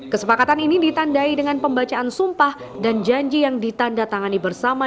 kesepakatan ini ditandai dengan pembacaan sumpah dan janji yang ditanda tangani bersama